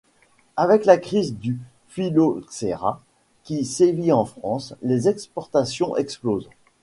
Avec la crise du phylloxera qui sévit en France, les exportations explosent.